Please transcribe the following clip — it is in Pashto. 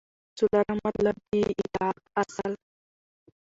څلورم مطلب : د اطاعت اصل